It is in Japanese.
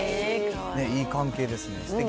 いい関係ですね。